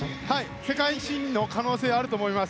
世界新の可能性あると思います。